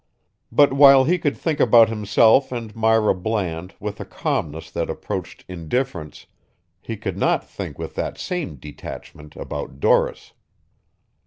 But while he could think about himself and Myra Bland with a calmness that approached indifference, he could not think with that same detachment about Doris.